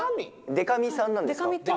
でか美さんなんですか。